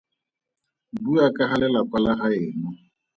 Bua ka ga lelapa la gaeno.